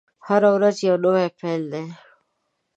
هره ورځ یوه نوې پیل دی.